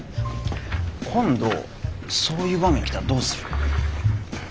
今度そういう場面来たらどうする？